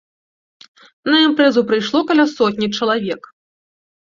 На імпрэзу прыйшло каля сотні чалавек.